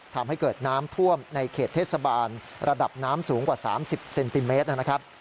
ทำให้เกิดน้ำท่วมในเขตเทศบาลระดับน้ำสูงกว่า๓๐เซนติเมตรนะครับ